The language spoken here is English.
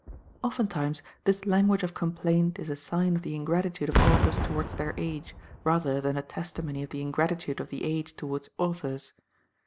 Oftentimes this language of complaint is a sign of the ingratitude of authors towards their age, rather than a testimony of the ingratitude of the age towards authors.